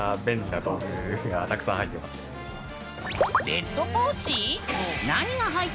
レッドポーチ？